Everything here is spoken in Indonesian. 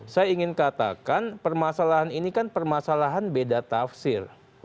saya ingin katakan permasalahan ini kan permasalahan beda tafsir